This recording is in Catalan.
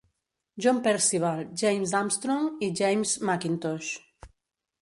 John Percival, James Armstrong, i James McIntosh.